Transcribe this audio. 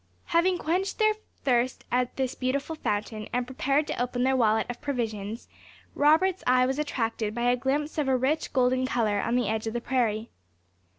Having quenched their thirst at this beautiful fountain, and prepared to open their wallet of provisions, Robert's eye was attracted by a glimpse of a rich golden colour, on the edge of the prairie.